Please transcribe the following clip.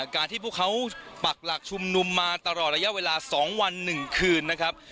การที่พวกเขาปักหลักชุมนุมมาตลอดระยะเวลา๒วัน๑คืนนะครับ